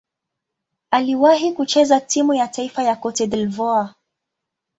Aliwahi kucheza timu ya taifa ya Cote d'Ivoire.